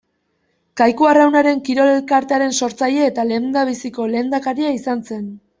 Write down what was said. Kaiku Arraunaren Kirol Elkartearen sortzaile eta lehendabiziko lehendakaria izan zen.